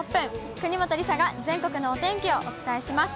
国本梨紗が全国のお天気をお伝えします。